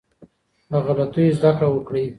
له غلطيو زده کړه وکړئ.